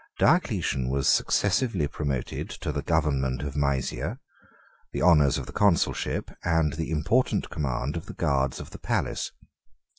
Diocletian was successively promoted to the government of Mæsia, the honors of the consulship, and the important command of the guards of the palace.